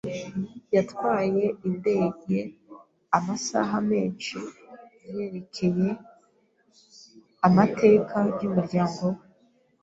Yatwaye indege amasaha menshi yerekeye amateka yumuryango we.